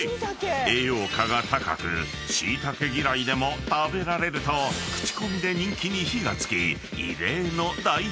［栄養価が高くシイタケ嫌いでも食べられると口コミで人気に火が付き］